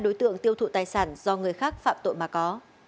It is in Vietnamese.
đối tượng tiêu thụ tài sản do người khác phạm tội mà có